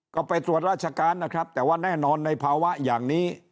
ก็ไปตรวจราชการนะครับแต่ว่าแน่นอนในภาวะอย่างนี้